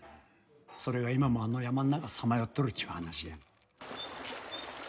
それが今もあの山の中さまよっとるっちゅう話や。